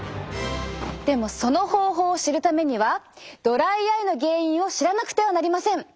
でもその方法を知るためにはドライアイの原因を知らなくてはなりません。